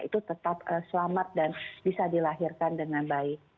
itu tetap selamat dan bisa dilahirkan dengan baik